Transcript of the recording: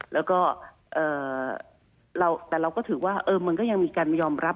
แล้วก็แต่เราก็ถือว่ามันก็ยังมีการยอมรับ